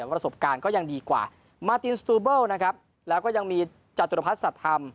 ว่าประสบการณ์ก็ยังดีกว่านะครับแล้วก็ยังมีจัตุรพัศธรร์